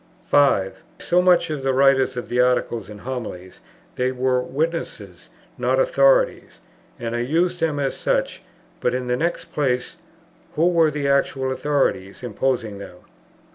So much for the writers of the Articles and Homilies; they were witnesses, not authorities, and I used them as such; but in the next place, who were the actual authorities imposing them?